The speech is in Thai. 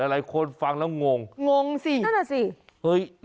หลายคนฟังแล้วงงงงสินั่นแหละสิ